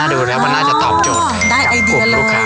ดูแล้วมันน่าจะตอบโจทย์ได้กับกลุ่มลูกค้า